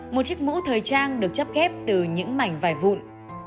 một chiếc mũ thời trang được chấp kép từ những mảnh vài vụn